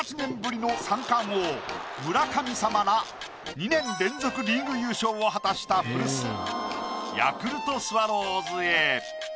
２年連続リーグ優勝を果たした古巣「ヤクルトスワローズ」へ。